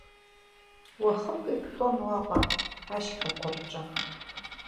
Уахык иԥхьон уаҟа, ашьхақәа рҿы.